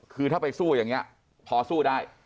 คือถ้าไปสู้อย่างนี้พอสู้ได้